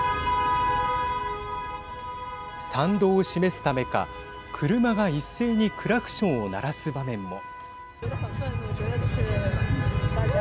賛同を示すためか車が一斉にクラクションを鳴らす場面も。